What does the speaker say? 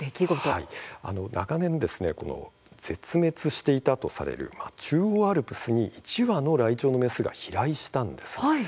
絶滅していたとされる中央アルプスに１羽のライチョウの雌が飛来したんです。